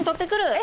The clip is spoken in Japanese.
え！